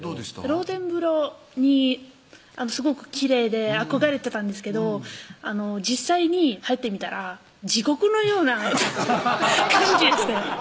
露天風呂にすごくきれいで憧れてたんですけど実際に入ってみたら地獄のような感じでしたよ